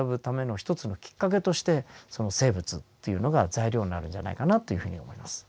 一つのきっかけとしてその生物っていうのが材料になるんじゃないかなっていうふうに思います。